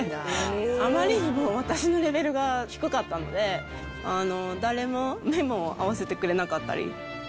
あまりにも私のレベルが低かったので、誰も目も合わせてくれなかったり。